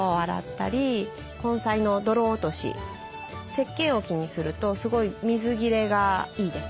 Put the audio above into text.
石けん置きにするとすごい水切れがいいです。